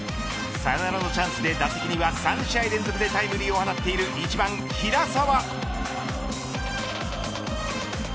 サヨナラのチャンスで打席には３試合連続でタイムリーを放っている１番平沢。